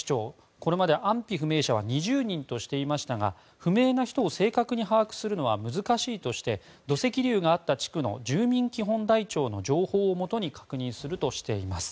これまで安否不明者は２０人としていましたが不明な人を正確に把握するのは難しいとして土石流があった地区の住民基本台帳の情報をもとに確認するとしています。